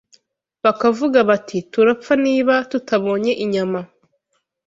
bakavuga bati: Turapfa niba tutabonye inyama